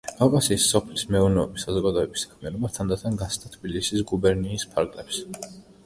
კავკასიის სოფლის მეურნეობის საზოგადოების საქმიანობა თანდათან გასცდა თბილისის გუბერნიის ფარგლებს.